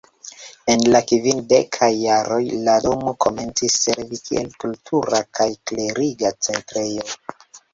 En la kvindekaj jaroj la domo komencis servi kiel kultura kaj kleriga centrejo.